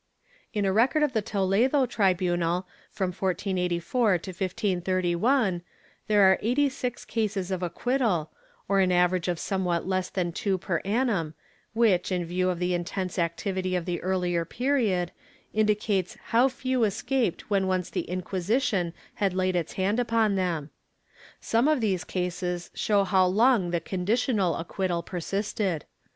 * In a record of the Toledo tribunal, from 1484 to 1531, there are eighty six cases of acquittal, or an average of somewhat less than two per annum which, in view of the intense activity of the earlier period, indicates how few escaped when once the Inquisition had laid its hand upon them. Some of these cases show how long the conditional acquittal persisted.